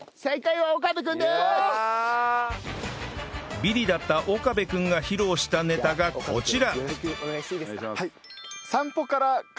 ビリだった岡部君が披露したネタがこちら